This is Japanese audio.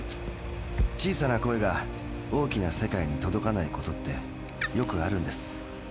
小さな声が大きな世界に届かないことってよくあるんです。